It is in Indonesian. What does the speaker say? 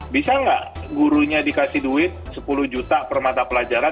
bisa nggak gurunya dikasih duit sepuluh juta per mata pelajaran